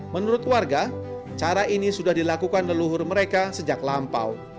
menurut warga cara ini sudah dilakukan leluhur mereka sejak lampau